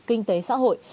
kinh tế xã hội